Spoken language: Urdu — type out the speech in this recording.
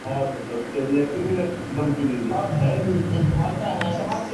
تو عاصم اور جمہوریت کو کیوں الگ نہیں کیا جا سکتا؟